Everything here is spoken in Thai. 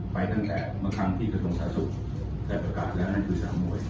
ไปตั้งแต่เมื่อครั้งที่กระทงสาศุกร์แต่ประกาศแล้วนั่นคือสถานมวย